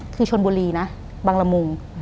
คือชนบุรีนะบังละมุง